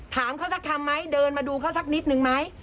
ถามเขาสักคำไหมเดินมาดูเขาสักนิดนึงไหม